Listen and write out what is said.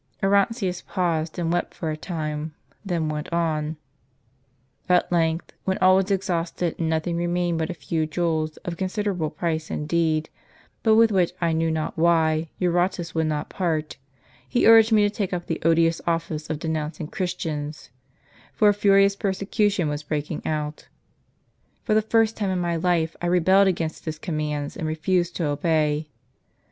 Orontius paused and wept for a time, then went on : "At length, when all was exhausted, and nothing re mained but a few jewels, of considerable price indeed, but with which, I knew not why, Eurotas would not part, he urged me to take up the odious office of denouncing Christians; for a furious persecution was breaking out. For the first time in my life I rebelled against his commands, and refused to obey.